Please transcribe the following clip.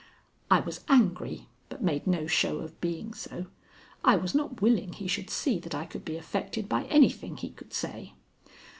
I was angry, but made no show of being so. I was not willing he should see that I could be affected by anything he could say.